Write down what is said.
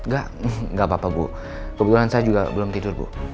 gak apa apa bu kebetulan saya juga belum tidur bu